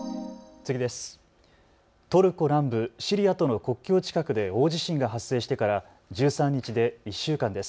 次です。